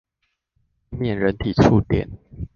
以免人體觸電